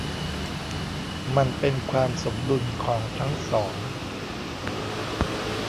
มันเป็นความสมดุลของทั้งสอง